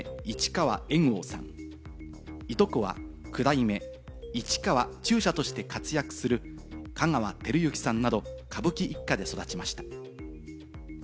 おじは二代目市川猿翁さん、いとこは九代目市川中車として活躍する香川照之さんなど、歌舞伎一家で育ちました。